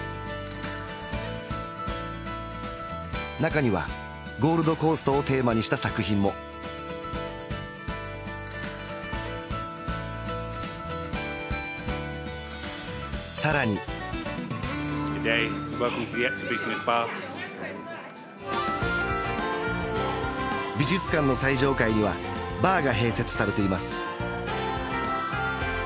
中にはゴールドコーストをテーマにした作品も更に美術館の最上階にはバーが併設されています